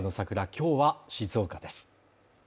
今日は静岡です。